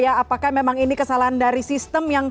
apakah memang ini kesalahan dari sistem yang